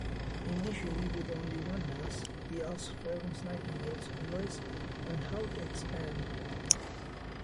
Initially with only one nurse, he asked Florence Nightingale's advice on how to expand.